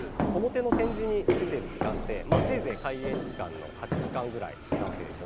表の展示に出てる時間ってまあせいぜい開園時間の８時間ぐらいなわけですよね。